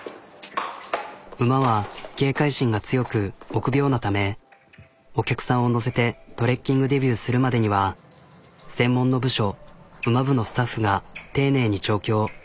馬は警戒心が強く臆病なためお客さんを乗せてトレッキングデビュ―するまでには専門の部署馬部のスタッフが丁寧に調教。